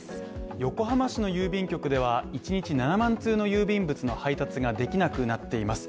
横浜市の郵便局では１日７万通の郵便物の配達ができなくなっています